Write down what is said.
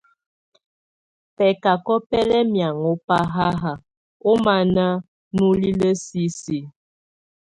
Bɛcacɔ bɛ lɛ mianŋɔ ba haha ɔmana nulilə sisi.